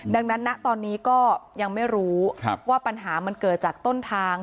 ดังนั้นนะตอนนี้ก็ยังไม่รู้ว่าปัญหามันเกิดจากต้นทาง